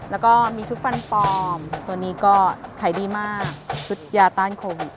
แล้วก็มีชุดฟันปลอมตัวนี้ก็ขายดีมากชุดยาต้านโควิด